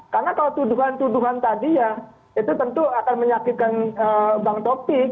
karena kalau tuduhan tuduhan tadi ya itu tentu akan menyakitkan bank taufik